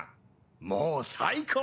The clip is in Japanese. もう最高！